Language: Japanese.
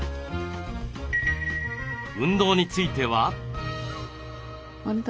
運動については？